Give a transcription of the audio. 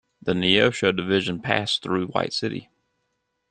The Neosho division passed through White City.